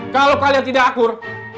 kalau kalian tidak akur